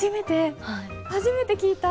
初めて聞いた？